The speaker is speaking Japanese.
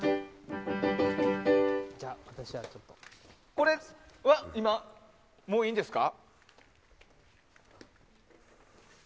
これはもういいんですか？